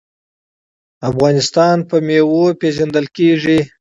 افغانستان په میوو پیژندل کیږي.